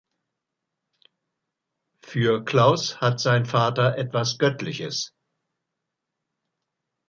Für Klaus hat sein Vater etwas Göttliches.